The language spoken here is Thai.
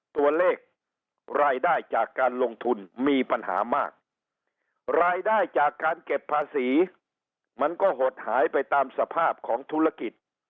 ตัวเลขรายได้จากการลงทุนมีปัญหามากรายได้จากการเก็บภาษีมันก็หดหายไปตามสภาพของธุรกิจ